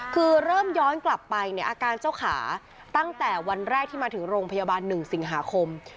คือเริ่มย้อนกลับไปเนี่ยอาการเจ้าขาตั้งแต่วันแรกที่มาถึงโรงพยาบาล๑สิงหาคม